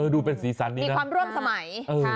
ดูเป็นสีสันนี้มีความร่วมสมัย